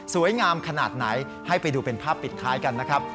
งามขนาดไหนให้ไปดูเป็นภาพปิดท้ายกันนะครับ